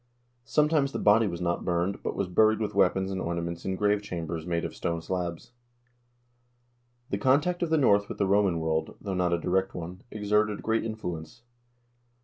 Sometimes the body was not burned, but was buried with weapons and ornaments in grave cham bers made of stone slabs. The contact of the North with the Roman world, though not a direct one, exerted a great influence.